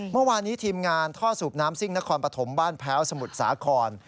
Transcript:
เมื่อวานนี้ทีมงานท่อสูบน้ำซิ่งนครปฐมบ้านแพ้วสมุทรสาคร